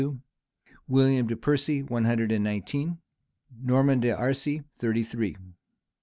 two: William de Percy, one hundred and nineteen:[*] Norman d'Arcy, thirty three.